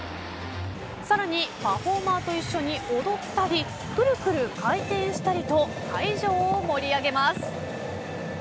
さらにパフォーマーと一緒に踊ったりくるくる回転したりと会場を盛り上げます。